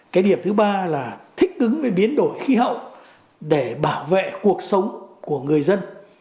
cái điểm thứ ba là thích ứng với biến đổi khí hậu để bảo vệ cuộc sống của người dân